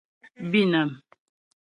Bînàm.